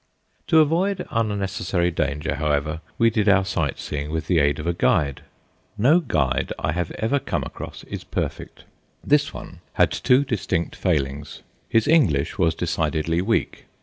To avoid unnecessary danger, however, we did our sight seeing with the aid of a guide. No guide I have ever come across is perfect. This one had two distinct failings. His English was decidedly weak.